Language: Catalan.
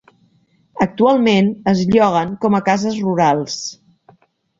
Actualment es lloguen com a cases rurals.